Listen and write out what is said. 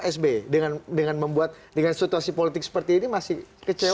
sby dengan membuat dengan situasi politik seperti ini masih kecewa